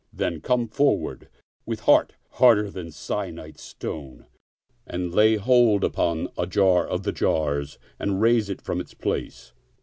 Then come forward, with heart harder than syenite stone, and lay hold upon a jar of the jars and raise it from its place.